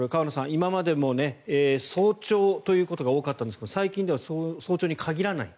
今までも早朝ということが多かったんですが最近では早朝には限らない。